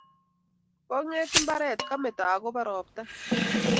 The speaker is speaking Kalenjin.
Kong'et mbaret kameto akobo ropta